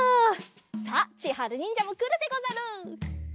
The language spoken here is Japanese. さあちはるにんじゃもくるでござる。